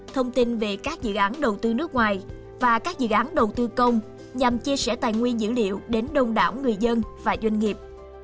thông tin về các dự án đầu tư nước ngoài và các dự án đầu tư công nhằm chia sẻ tài nguyên dữ liệu đến đông đảo người dân và doanh nghiệp